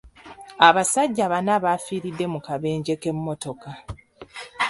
Abasajja bana bafiiridde mu kabenje k'emmotoka.